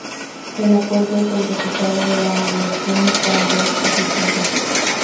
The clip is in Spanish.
El acuerdo es el resultado de la mediación cuando es positivo.